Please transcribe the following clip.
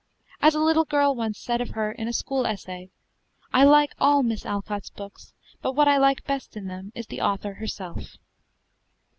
As a little girl once said of her in a school essay, "I like all Miss Alcott's books; but what I like best in them is the author herself."